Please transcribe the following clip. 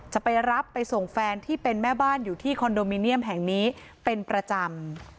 จะไปรับไปส่งแฟนที่เป็นแม่บ้านอยู่ที่คอนโดมิเนียมแห่งนี้เป็นประจำ